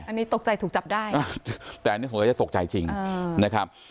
อันนี้ตกใจถูกจับได้แต่อันนี้ผมก็จะตกใจจริงนะครับ